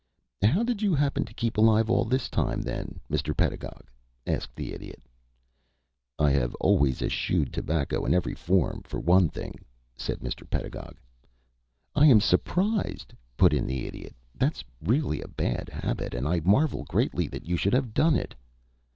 "How did you happen to keep alive all this time then, Mr. Pedagog?" asked the Idiot. "I have always eschewed tobacco in every form, for one thing," said Mr. Pedagog. "I am surprised," put in the Idiot. "That's really a bad habit, and I marvel greatly that you should have done it."